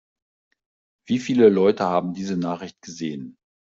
Wie viele Leute haben diese Nachricht gesehen?